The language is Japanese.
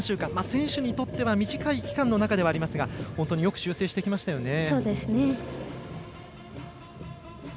選手にとっては短い期間ではありますが本当によく修正してきましたよね。